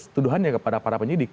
tuduhannya kepada para penyidik